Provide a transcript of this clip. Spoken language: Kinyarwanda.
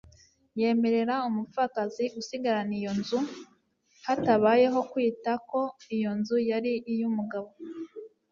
yemerera umupfakazi gusigarana iyo nzu, hatabayeho kwita ko iyo nzu yari iy'umugabo